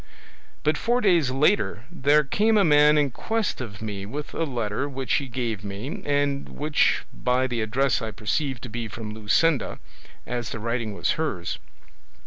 But four days later there came a man in quest of me with a letter which he gave me, and which by the address I perceived to be from Luscinda, as the writing was hers.